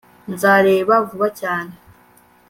nzareba vuba cyane